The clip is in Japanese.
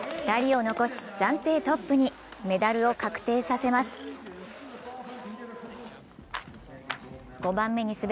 ２人を残し、暫定トップに。